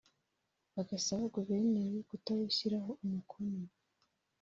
bagasaba Guverineri kutawushyiraho umukono